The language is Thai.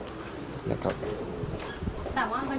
แต่ว่ามันมองเป็นน้ำหนักพอที่จะให้เราเหมือนโน้มเอียงไปทางฝั่งของตั้ง